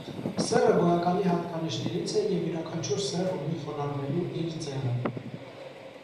Սեռը գոյականի հատկանիշներից է և յուրաքանչյուր սեռ ունի խոնարհվելու իր ձևը։